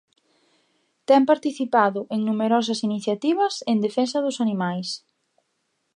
Ten participado en numerosas iniciativas en defensa dos animais.